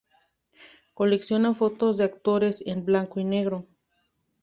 Colecciona fotos de actores en blanco y negro.